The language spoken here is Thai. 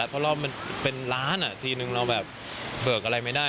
เพราะรอบมันเป็นล้านทีนึงเราแบบเบิกอะไรไม่ได้